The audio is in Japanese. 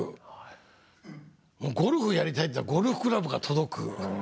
「ゴルフやりたい」って言えばゴルフクラブが届く。